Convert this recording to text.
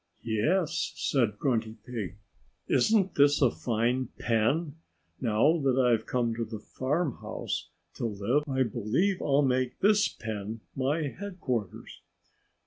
"Yes!" said Grunty Pig. "Isn't this a fine pen? Now that I've come to the farmhouse to live I believe I'll make this pen my headquarters."